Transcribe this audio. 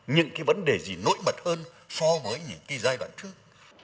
những cái vấn đề gì nỗi mật hơn so với những cái giai đoạn trước